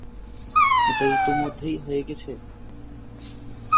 এটা ইতোমধ্যেই হয়ে গেছে?